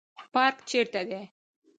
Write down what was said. پارک چیرته دی؟